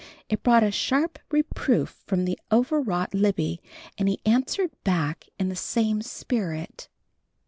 It brought a sharp reproof from the overwrought Libby, and he answered back in the same spirit.